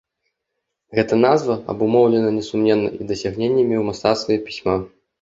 Гэта назва абумоўлена несумненна і дасягненнямі ў мастацтве пісьма.